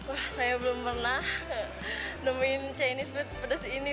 wah saya belum pernah nemuin chinese food sepedas ini